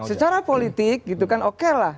secara politik gitu kan oke lah